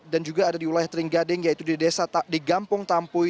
dan juga ada di wilayah teringgading yaitu di desa di gampung tampuy